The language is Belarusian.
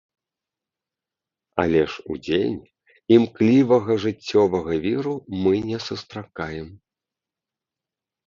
Але ж удзень імклівага жыццёвага віру мы не сустракаем.